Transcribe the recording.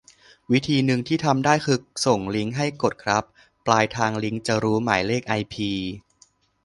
วิธีนึงที่ทำได้คือส่งลิงก์ให้กดครับ ปลายทางลิงก์จะรู้หมายเลขไอพี